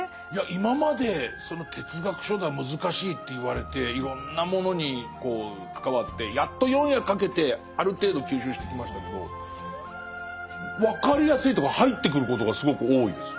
今まで哲学書だ難しいって言われていろんなものに関わってやっと４夜かけてある程度吸収してきましたけど分かりやすいというか入ってくることがすごく多いです。